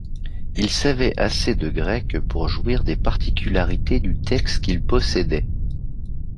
Il savait assez de grec pour jouir des particularités du texte qu’il possédait.